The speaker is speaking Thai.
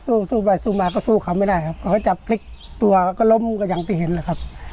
สู้สู้ไปสู้มาก็สู้เขาไม่ได้ครับเขาก็จับพลิกตัวก็ล้มก็อย่างที่เห็นแหละครับ